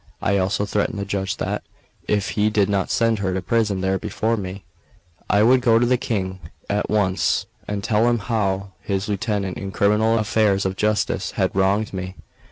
I also threatened the judge that, if he did not send her to prison there before me, I would go to the King at once, and tell him how his lieutenant in criminal affairs of justice had wronged me.